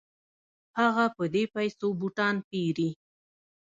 هغه په دې پیسو بوټان پيري.